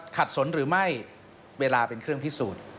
สนหรือไม่เวลาเป็นเครื่องพิสูจน์